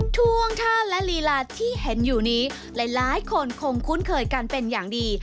ท่วงท่าและลีลาที่เห็นอยู่นี้หลายคนคงคุ้นเคยกันเป็นอย่างดี